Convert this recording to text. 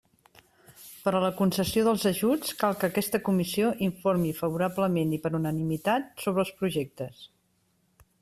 Per a la concessió dels ajuts cal que aquesta Comissió informi favorablement i per unanimitat sobre els projectes.